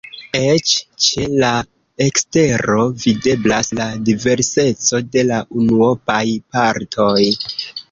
Eĉ ĉe la ekstero videblas la diverseco de la unuopaj partoj.